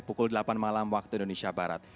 pukul delapan malam waktu indonesia barat